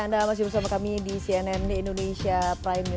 anda masih bersama kami di cnn indonesia prime news